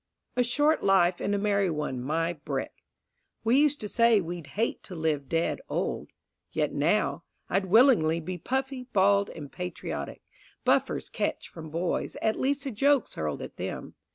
A short life and a merry one, my brick! We used to say we'd hate to live dead old, Yet now ... I'd willingly be puffy, bald, And patriotic. Buffers catch from boys At least the jokes hurled at them.